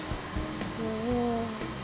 おお。